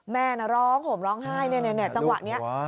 แม่น่ะร้องผมร้องไห้เนี่ยตั้งวันนี้